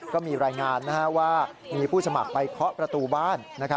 ก็มีรายงานว่ามีผู้สมัครไปเคาะประตูบ้าน